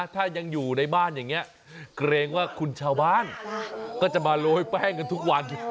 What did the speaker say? ถ้ายังอยู่ในบ้านอย่างนี้เกรงว่าคุณชาวบ้านก็จะมาโรยแป้งกันทุกวัน